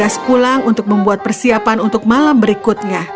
falky bergegas pulang untuk membuat persiapan untuk malam berikutnya